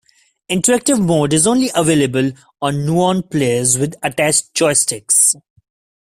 Interactive mode is only available on Nuon players with attached joysticks.